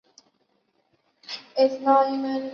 谢顿更发现久瑞南的头发是以人工培植的。